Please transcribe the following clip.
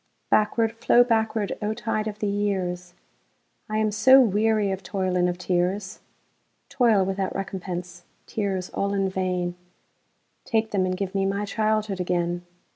Backward, flow backward, O tide of the years!I am so weary of toil and of tears,—Toil without recompense, tears all in vain,—Take them, and give me my childhood again!